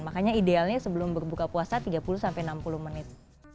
makanya idealnya sebelum berbuka puasa tiga puluh sampai enam puluh menit